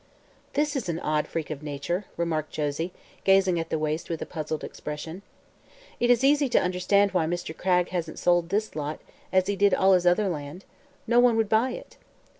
"This is an odd freak of nature," remarked Josie, gazing at the waste with a puzzled expression. "It is easy to understand why Mr. Cragg hasn't sold this lot, as he did all his other land. No one would buy it."